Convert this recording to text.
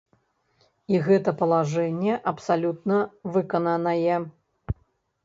І гэта палажэнне абсалютна выкананае.